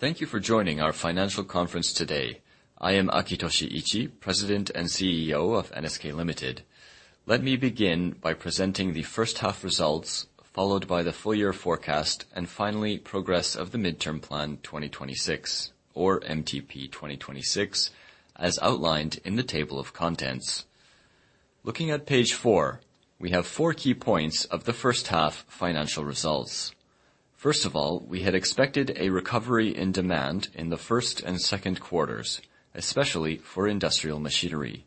Thank you for joining our financial conference today. I am Akitoshi Ichii, President and CEO of NSK Ltd. Let me begin by presenting the first half results, followed by the full year forecast, and finally, progress of the midterm plan 2026 or MTP2026, as outlined in the table of contents. Looking at page four, we have four key points of the first half financial results. First of all, we had expected a recovery in demand in the first and Q2, especially for industrial machinery,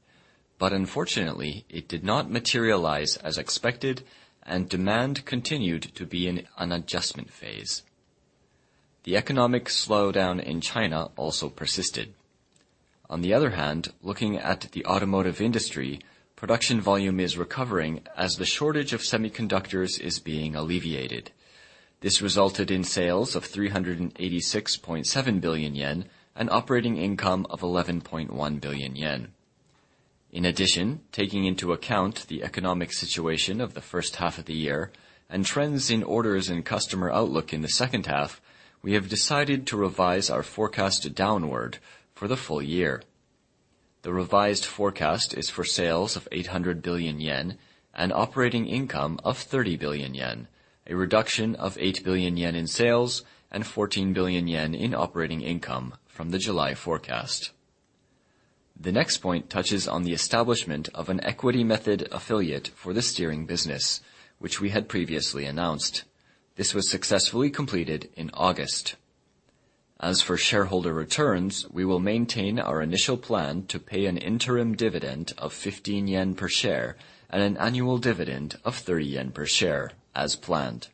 but unfortunately, it did not materialize as expected and demand continued to be in an adjustment phase. The economic slowdown in China also persisted. On the other hand, looking at the automotive industry, production volume is recovering as the shortage of semiconductors is being alleviated. This resulted in sales of 386.7 billion yen and operating income of 11.1 billion yen. In addition, taking into account the economic situation of the first half of the year and trends in orders and customer outlook in the second half, we have decided to revise our forecast downward for the full year. The revised forecast is for sales of 800 billion yen and operating income of 30 billion yen, a reduction of 8 billion yen in sales and 14 billion yen in operating income from the July forecast. The next point touches on the establishment of an equity method affiliate for the steering business, which we had previously announced. This was successfully completed in August. As for shareholder returns, we will maintain our initial plan to pay an interim dividend of 15 yen per share and an annual dividend of 30 yen per share as planned.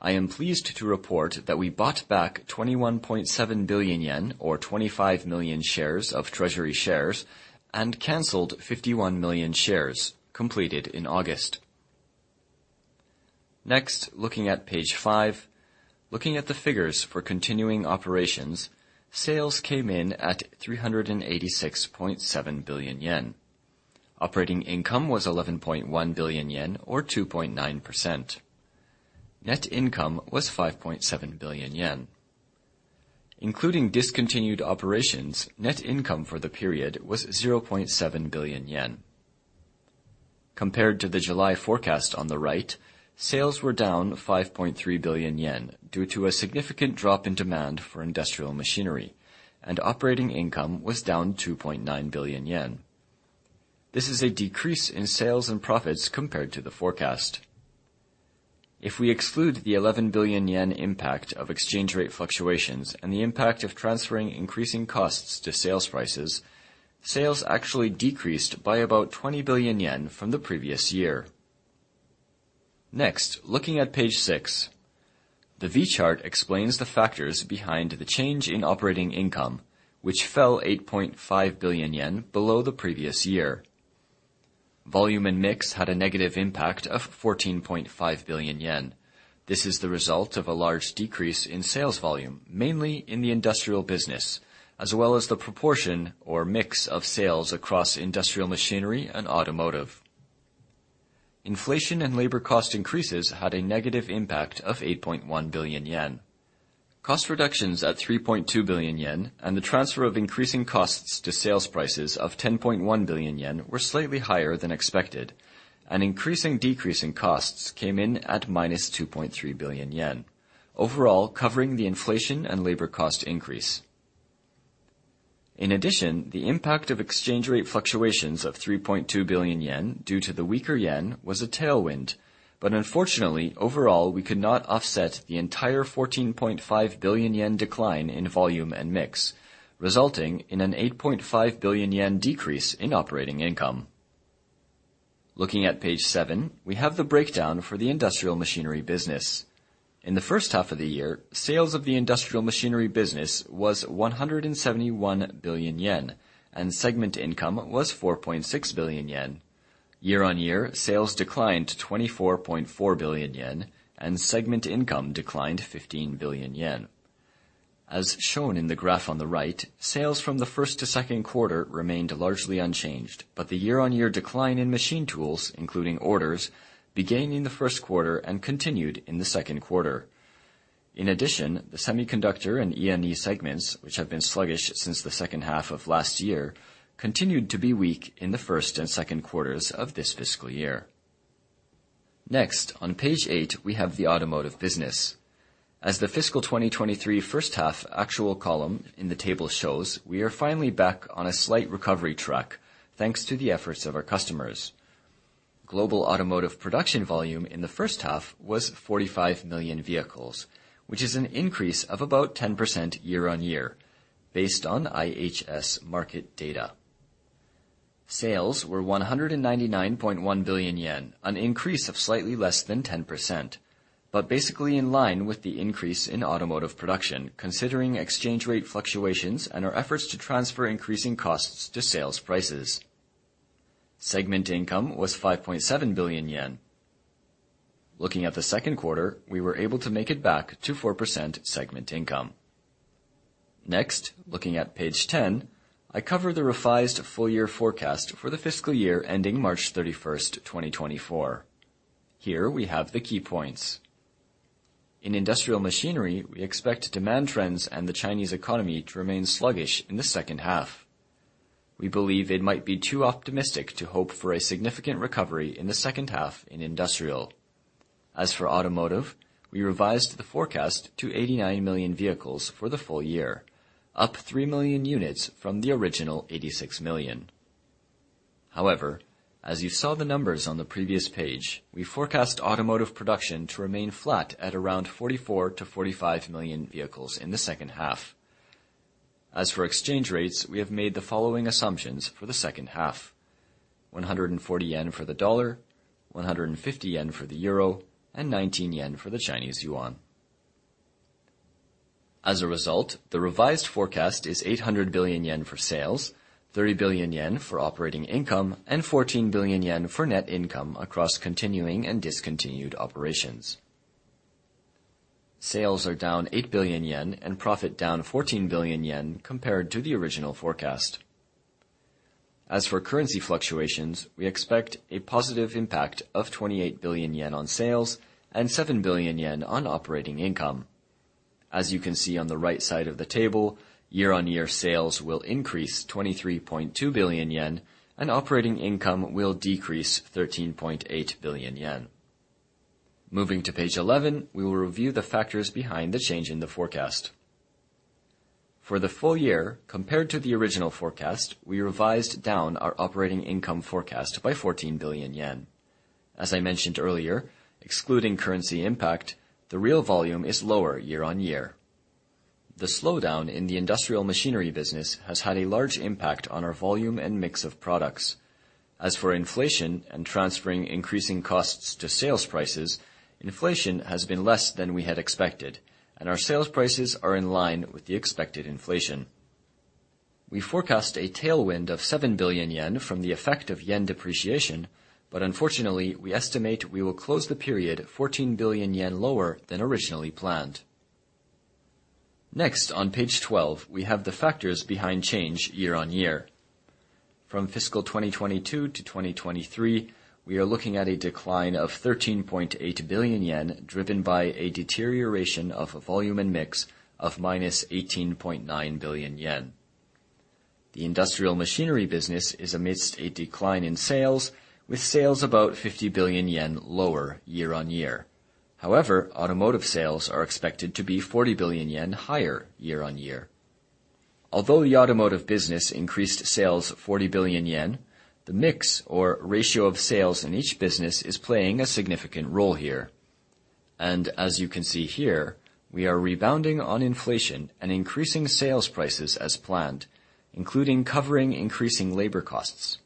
I am pleased to report that we bought back 21.7 billion yen or 25 million shares of treasury shares and canceled 51 million shares completed in August. Next, looking at page 5. Looking at the figures for continuing operations, sales came in at 386.7 billion yen. Operating income was 11.1 billion yen or 2.9%. Net income was 5.7 billion yen. Including discontinued operations, net income for the period was 0.7 billion yen. Compared to the July forecast on the right, sales were down 5.3 billion yen due to a significant drop in demand for industrial machinery, and operating income was down 2.9 billion yen. This is a decrease in sales and profits compared to the forecast. If we exclude the JPY 11 billion impact of exchange rate fluctuations and the impact of transferring increasing costs to sales prices, sales actually decreased by about 20 billion yen from the previous year. Next, looking at page 6. The V chart explains the factors behind the change in operating income, which fell 8.5 billion yen below the previous year. Volume and mix had a negative impact of 14.5 billion yen. This is the result of a large decrease in sales volume, mainly in the industrial business, as well as the proportion or mix of sales across industrial machinery and automotive. Inflation and labor cost increases had a negative impact of 8.1 billion yen. Cost reductions at 3.2 billion yen and the transfer of increasing costs to sales prices of 10.1 billion yen were slightly higher than expected, and increasing decrease in costs came in at -2.3 billion yen, overall, covering the inflation and labor cost increase. In addition, the impact of exchange rate fluctuations of 3.2 billion yen due to the weaker yen was a tailwind, but unfortunately, overall, we could not offset the entire 14.5 billion yen decline in volume and mix, resulting in an 8.5 billion yen decrease in operating income. Looking at page seven, we have the breakdown for the industrial machinery business. In the first half of the year, sales of the industrial machinery business was 171 billion yen, and segment income was 4.6 billion yen. Year-on-year, sales declined to 24.4 billion yen and segment income declined 15 billion yen. As shown in the graph on the right, sales from the first to Q2 remained largely unchanged, but the year-on-year decline in machine tools, including orders, began in the Q1 and continued in the Q2. In addition, the semiconductor and E&E segments, which have been sluggish since the second half of last year, continued to be weak in the first and Q2 of this fiscal year. Next, on page eight, we have the automotive business. As the fiscal 2023 first half actual column in the table shows, we are finally back on a slight recovery track thanks to the efforts of our customers. Global automotive production volume in the first half was 45 million vehicles, which is an increase of about 10% year-on-year based on IHS Markit data. Sales were 199.1 billion yen, an increase of slightly less than 10%, but basically in line with the increase in automotive production, considering exchange rate fluctuations and our efforts to transfer increasing costs to sales prices. Segment income was 5.7 billion yen. Looking at the Q2, we were able to make it back to 4% segment income. Next, looking at page 10, I cover the revised full year forecast for the fiscal year ending March 31st, 2024. Here we have the key points. In industrial machinery, we expect demand trends and the Chinese economy to remain sluggish in the second half. We believe it might be too optimistic to hope for a significant recovery in the second half in industrial. As for automotive, we revised the forecast to 89 million vehicles for the full year, up 3 million units from the original 86 million. However, as you saw the numbers on the previous page, we forecast automotive production to remain flat at around 44-45 million vehicles in the second half. As for exchange rates, we have made the following assumptions for the second half: 140 yen for the USD, 150 JPY for the EUR, and 19 JPY for the CNY. As a result, the revised forecast is 800 billion yen for sales, 30 billion yen for operating income, and 14 billion yen for net income across continuing and discontinued operations. Sales are down 8 billion yen and profit down 14 billion yen compared to the original forecast. As for currency fluctuations, we expect a positive impact of 28 billion yen on sales and 7 billion yen on operating income. As you can see on the right side of the table, year-over-year sales will increase 23.2 billion yen and operating income will decrease 13.8 billion yen. Moving to page 11, we will review the factors behind the change in the forecast. For the full year, compared to the original forecast, we revised down our operating income forecast by 14 billion yen. As I mentioned earlier, excluding currency impact, the real volume is lower year-over-year. The slowdown in the industrial machinery business has had a large impact on our volume and mix of products. As for inflation and transferring increasing costs to sales prices, inflation has been less than we had expected, and our sales prices are in line with the expected inflation. We forecast a tailwind of 7 billion yen from the effect of yen depreciation, but unfortunately, we estimate we will close the period 14 billion yen lower than originally planned. Next, on page 12, we have the factors behind change year-on-year. From fiscal 2022 to 2023, we are looking at a decline of 13.8 billion yen, driven by a deterioration of volume and mix of -18.9 billion yen. The industrial machinery business is amidst a decline in sales, with sales about 50 billion yen lower year-on-year. However, automotive sales are expected to be 40 billion yen higher year-on-year. Although the automotive business increased sales 40 billion yen, the mix or ratio of sales in each business is playing a significant role here. As you can see here, we are rebounding on inflation and increasing sales prices as planned, including covering increasing labor costs.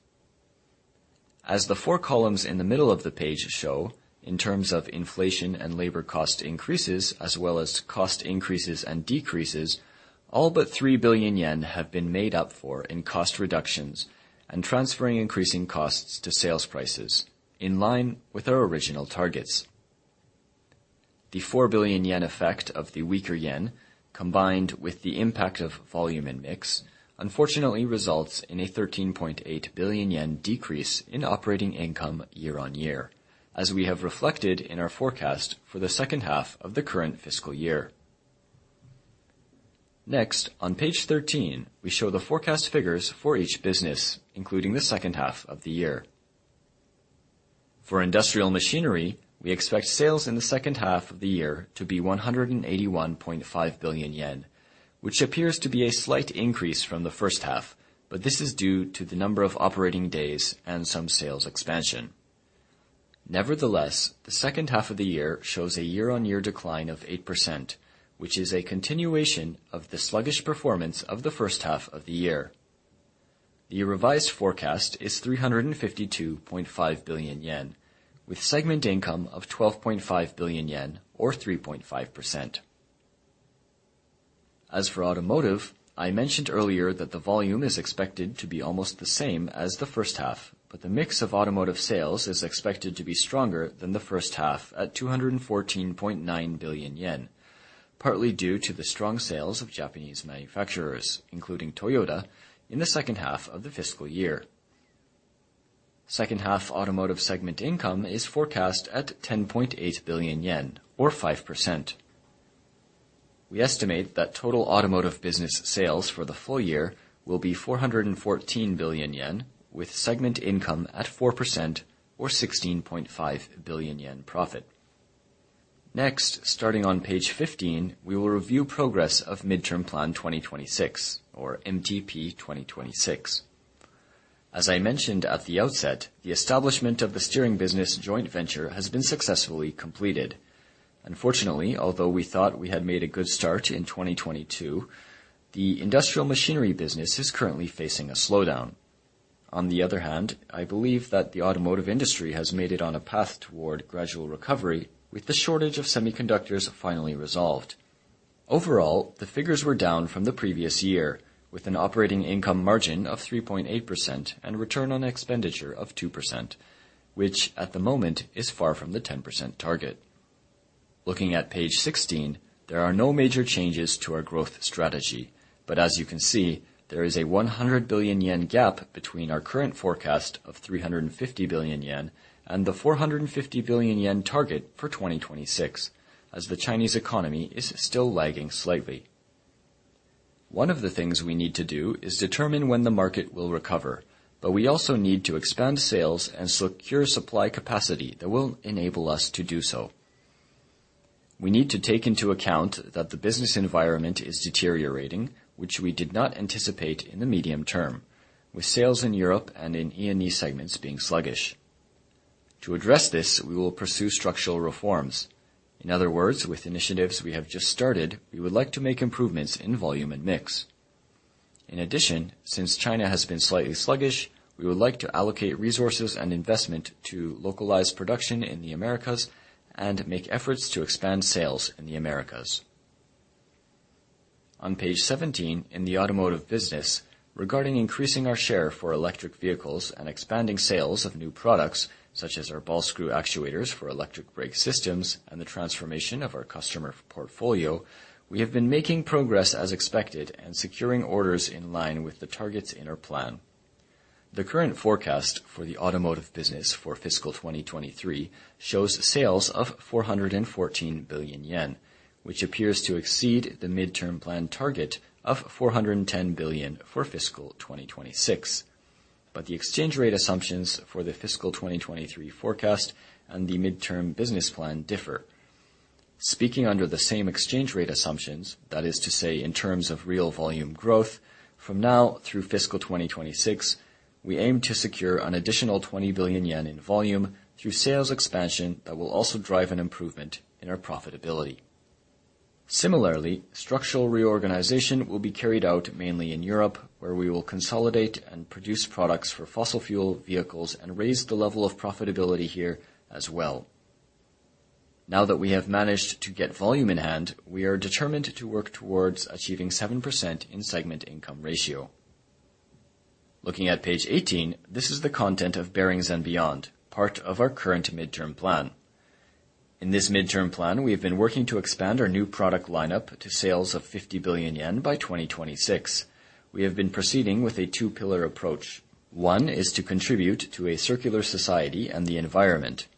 As the four columns in the middle of the page show, in terms of inflation and labor cost increases, as well as cost increases and decreases, all but 3 billion yen have been made up for in cost reductions and transferring increasing costs to sales prices in line with our original targets. The 4 billion yen effect of the weaker yen, combined with the impact of volume and mix, unfortunately results in a 13.8 billion yen decrease in operating income year-on-year, as we have reflected in our forecast for the second half of the current fiscal year. Next, on page 13, we show the forecast figures for each business, including the second half of the year. For industrial machinery, we expect sales in the second half of the year to be 181.5 billion yen, which appears to be a slight increase from the first half, but this is due to the number of operating days and some sales expansion. Nevertheless, the second half of the year shows a year-on-year decline of 8%, which is a continuation of the sluggish performance of the first half of the year. The revised forecast is 352.5 billion yen, with segment income of 12.5 billion yen or 3.5%. As for automotive, I mentioned earlier that the volume is expected to be almost the same as the first half, but the mix of automotive sales is expected to be stronger than the first half at 214.9 billion yen, partly due to the strong sales of Japanese manufacturers, including Toyota, in the second half of the fiscal year. Second half automotive segment income is forecast at 10.8 billion yen or 5%. We estimate that total automotive business sales for the full year will be 414 billion yen, with segment income at 4% or 16.5 billion yen profit. Next, starting on page 15, we will review progress of Midterm Plan 2026 or MTP2026. As I mentioned at the outset, the establishment of the steering business joint venture has been successfully completed. Unfortunately, although we thought we had made a good start in 2022, the industrial machinery business is currently facing a slowdown. On the other hand, I believe that the automotive industry has made it on a path toward gradual recovery, with the shortage of semiconductors finally resolved. Overall, the figures were down from the previous year, with an operating income margin of 3.8% and return on equity of 2%, which at the moment is far from the 10% target. Looking at page 16, there are no major changes to our growth strategy. But as you can see, there is a 100 billion yen gap between our current forecast of 350 billion yen and the 450 billion yen target for 2026, as the Chinese economy is still lagging slightly. One of the things we need to do is determine when the market will recover, but we also need to expand sales and secure supply capacity that will enable us to do so. We need to take into account that the business environment is deteriorating, which we did not anticipate in the medium term, with sales in Europe and in E&E segments being sluggish. To address this, we will pursue structural reforms. In other words, with initiatives we have just started, we would like to make improvements in volume and mix. In addition, since China has been slightly sluggish, we would like to allocate resources and investment to localize production in the Americas and make efforts to expand sales in the Americas. On page 17, in the automotive business, regarding increasing our share for electric vehicles and expanding sales of new products, such as our ball screw actuators for electric brake systems and the transformation of our customer portfolio, we have been making progress as expected and securing orders in line with the targets in our plan. The current forecast for the automotive business for fiscal 2023 shows sales of 414 billion yen, which appears to exceed the midterm plan target of 410 billion for fiscal 2026. But the exchange rate assumptions for the fiscal 2023 forecast and the midterm business plan differ. Speaking under the same exchange rate assumptions, that is to say, in terms of real volume growth, from now through fiscal 2026, we aim to secure an additional 20 billion yen in volume through sales expansion that will also drive an improvement in our profitability. Similarly, structural reorganization will be carried out mainly in Europe, where we will consolidate and produce products for fossil fuel vehicles and raise the level of profitability here as well. Now that we have managed to get volume in hand, we are determined to work towards achieving 7% in segment income ratio. Looking at page 18, this is the content of Bearings and Beyond, part of our current midterm plan. In this midterm plan, we have been working to expand our new product lineup to sales of 50 billion yen by 2026. We have been proceeding with a two-pillar approach. One is to contribute to a circular society and the environment.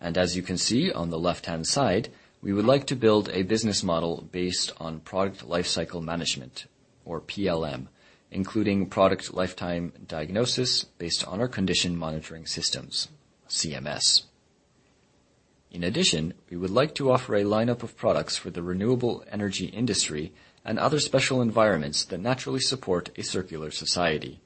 As you can see on the left-hand side, we would like to build a business model based on product lifecycle management or PLM, including product lifetime diagnosis based on our condition monitoring systems, CMS. In addition, we would like to offer a lineup of products for the renewable energy industry and other special environments that naturally support a circular society.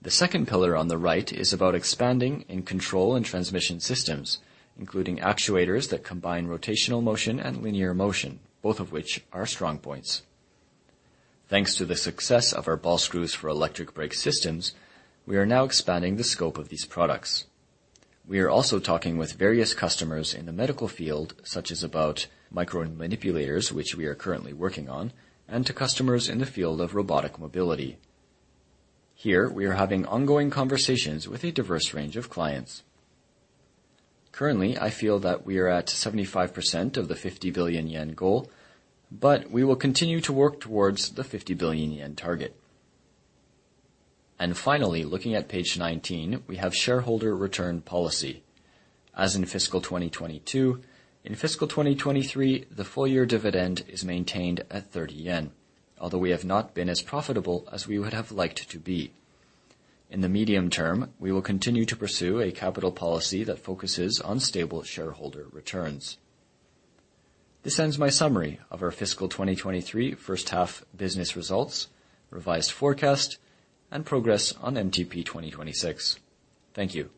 The second pillar on the right is about expanding in control and transmission systems, including actuators that combine rotational motion and linear motion, both of which are strong points. Thanks to the success of our ball screws for electric brake systems, we are now expanding the scope of these products. We are also talking with various customers in the medical field, such as about micromanipulators, which we are currently working on, and to customers in the field of robotic mobility. Here, we are having ongoing conversations with a diverse range of clients. Currently, I feel that we are at 75% of the 50 billion yen goal, but we will continue to work towards the 50 billion yen target. And finally, looking at page 19, we have shareholder return policy. As in fiscal 2022, in fiscal 2023, the full-year dividend is maintained at 30 yen, although we have not been as profitable as we would have liked to be. In the medium term, we will continue to pursue a capital policy that focuses on stable shareholder returns. This ends my summary of our fiscal 2023 first half business results, revised forecast, and progress on MTP 2026. Thank you.